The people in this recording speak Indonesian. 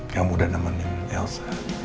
kamu udah nemenin elsa